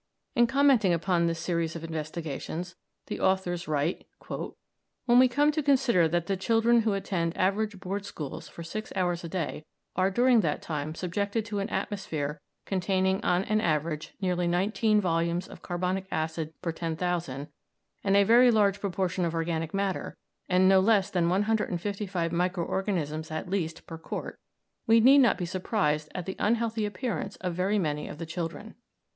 In commenting upon this series of investigations, the authors write: "When we come to consider that the children who attend average Board schools for six hours a day are during that time subjected to an atmosphere containing on an average nearly nineteen volumes of carbonic acid per 10,000, and a very large proportion of organic matter, and no less than 155 micro organisms at least per quart, we need not be surprised at the unhealthy appearance of very many of the children.